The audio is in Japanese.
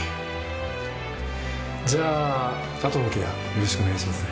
じゃああとのケアよろしくお願いしますね。